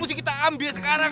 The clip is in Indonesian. mesti kita ambil sekarang